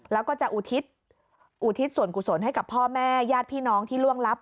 แล้วก็จะอุทิศอุทิศส่วนกุศลให้กับพ่อแม่ญาติพี่น้องที่ล่วงลับ